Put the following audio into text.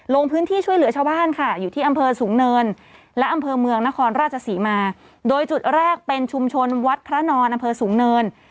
ลงพื้นที่ช่วยเหลือชาวบ้านค่ะอยู่ที่อำเภอสูงเนินและอำเภอเมืองนครราชศรีมาโดยจุดแรกเป็นชุมชนวัดพระนอนอำเภอสูงเนิน